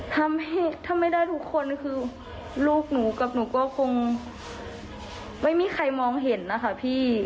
ทำให้ถ้าไม่ได้ทุกคนคือลูกหนูกับหนูก็คงไม่มีใครมองเห็นนะคะพี่